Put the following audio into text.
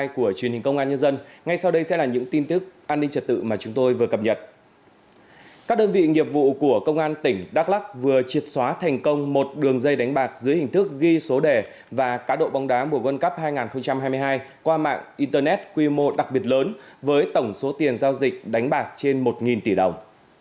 các đơn vị nghiệp vụ của công an tỉnh đắk lắc vừa triệt xóa thành công một đường dây đánh bạc dưới hình thức ghi số đề và cá độ bóng đá mùa quân cấp hai nghìn hai mươi hai qua mạng internet quy mô đặc biệt lớn với tổng số tiền giao dịch đánh bạc trên một tỷ đồng